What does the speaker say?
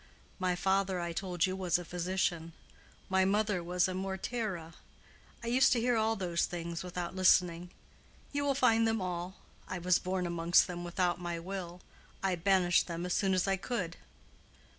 My father, I told you, was a physician. My mother was a Morteira. I used to hear all those things without listening. You will find them all. I was born amongst them without my will. I banished them as soon as I could."